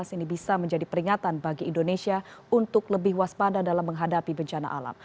ini bisa menjadi peringatan bagi indonesia untuk lebih waspada dalam menghadapi bencana alam